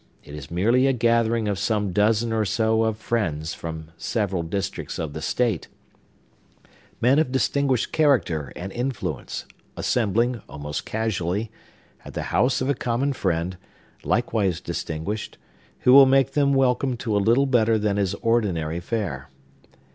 It is merely a gathering of some dozen or so of friends from several districts of the State; men of distinguished character and influence, assembling, almost casually, at the house of a common friend, likewise distinguished, who will make them welcome to a little better than his ordinary fare.